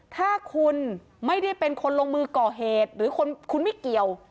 ถ้าคุณไม่ได้เป็นคนลงมือก่อเหตุหรือคุณไม่เกี่ยว